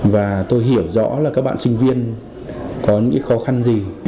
và tôi hiểu rõ là các bạn sinh viên có những khó khăn gì